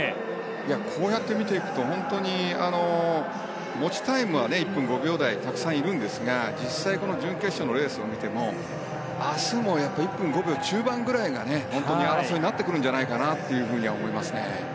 こうやって見ていくと本当に持ちタイムは１分５秒台がたくさんいるんですが実際、準決勝のレースを見ても明日も１分５秒中盤ぐらいが本当に争いになってくるんじゃないかと思いますね。